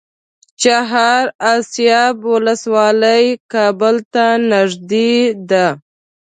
چهار اسیاب ولسوالۍ کابل ته نږدې ده؟